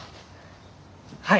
はい！